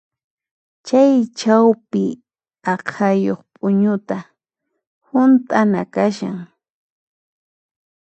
Chay chawpi aqhayuq p'uñuta hunt'ana kashan.